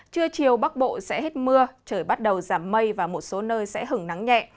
trưa chiều bắc bộ sẽ hết mưa trời bắt đầu giảm mây và một số nơi sẽ hứng nắng nhẹ